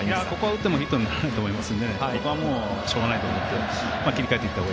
打ってもヒットにならないと思います。